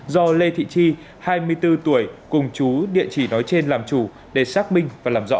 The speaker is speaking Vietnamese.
do lê thị tri hai mươi bốn tuổi cùng chú địa chỉ nói trên làm chủ để xác minh và làm rõ